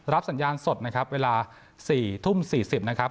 รับสัญญาณสดเวลา๔ทุ่ม๔๐นาที